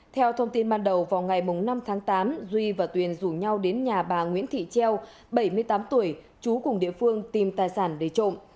theo thông tin ban đầu vào ngày năm tháng tám duy và tuyền rủ nhau đến nhà bà nguyễn thị treo bảy mươi tám tuổi chú cùng địa phương tìm tài sản để trộm